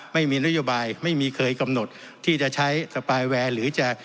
ไม่มีนโยบายไม่มีเคยกำหนดที่จะใช้สปายแวร์หรือจะ